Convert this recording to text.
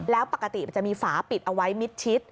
แล้วปกติมันจะมีฝาปิดเอาไว้มิดชิด